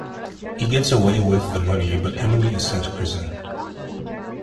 He gets away with the money but Emily is sent to prison.